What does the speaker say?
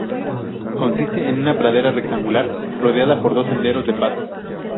Consiste en una pradera rectangular rodeada por dos senderos de paso.